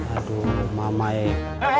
aduh mama ya